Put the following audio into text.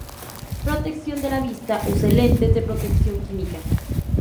Protección de la vista: Use lentes de protección química.